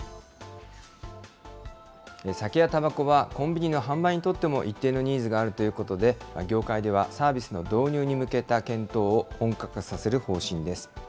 酒やたばこはコンビニの販売にとっても一定のニーズがあるということで、業界ではサービスの導入に向けた検討を本格化させる方針です。